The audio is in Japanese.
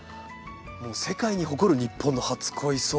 世界に誇る日本の初恋草。